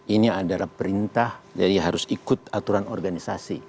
ini adalah perintah jadi harus ikut aturan organisasi